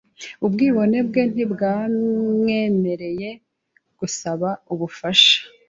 Ubwibone bwe ntibwamwemereye gusaba ubufasha.